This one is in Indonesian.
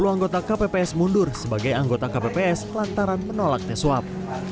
sepuluh anggota kpps mundur sebagai anggota kpps lantaran menolak tes swab